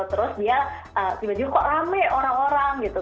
terus dia tiba tiba kok rame orang orang gitu